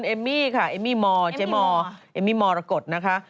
เอมมี่มอร์ระกดนะคะ